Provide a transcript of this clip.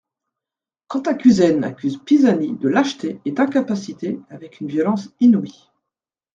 Cantacuzène accuse Pisani de lâcheté et d'incapacité avec une violence inouïe.